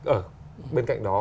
ở bên cạnh đó